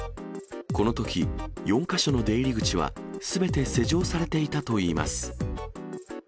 このとき、４か所の出入り口はすべて施錠されていたといいます。